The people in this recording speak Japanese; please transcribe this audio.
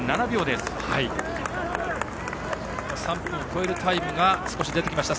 少し３分を超えるタイムが出てきました。